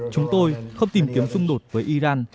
chúng tôi không tìm kiếm xung đột với iran